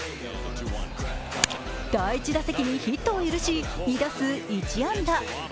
第１打席にヒットを許し２打数１安打。